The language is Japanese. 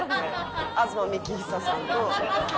東幹久さんと。